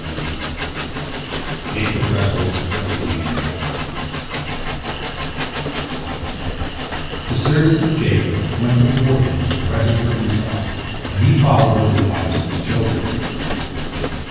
JACOB WRESTLES WITH THE ANGEL The servants of Jacob went before him with the present for Esau, and he followed with his wives and his children.